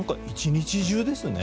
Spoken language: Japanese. １日中ですね。